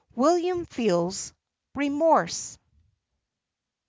William feels Remorse.